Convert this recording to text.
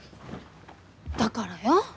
だからよ。